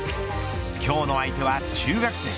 今日の相手は中学生。